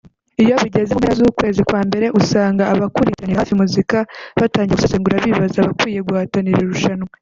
Iyo bigeze mu mpera z’ukwezi kwa mbere usanga abakurikiranira hafi muzika batangira gusesengura bibaza abakwiye guhatanira irushanwa